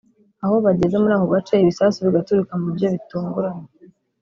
aho bageze muri ako gace ibisasu bigaturika mu buryo butunguranye